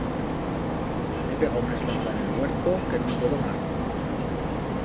M'he pegau una eslomada en el huerto que no'n puedo mas.